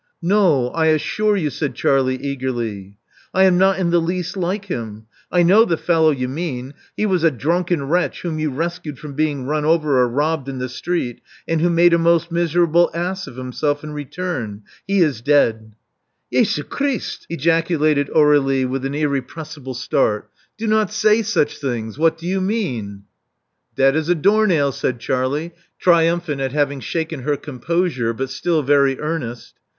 No, I assure you," said Charlie eagerly. I am not in the least like him. I know the fellow you mean : he was a drunken wretch whom you rescued from being run over or robbed in the street, and who made a most miserable ass of himself in return. He is dead." '*'Jesu Christ!'' ejaculated Aur^lie with an irrepress 39«^ Love Among the Artists ible start: do not say such things. What do you mean?" '*Dead as a doornail," said Charlie, triumphant at having shaken her composure, but still very earnest.